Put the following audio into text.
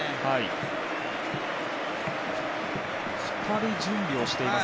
２人準備をしています。